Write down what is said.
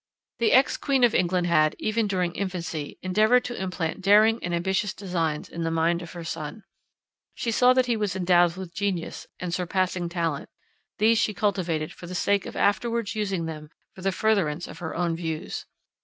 The ex queen of England had, even during infancy, endeavoured to implant daring and ambitious designs in the mind of her son. She saw that he was endowed with genius and surpassing talent; these she cultivated for the sake of afterwards using them for the furtherance of her own views.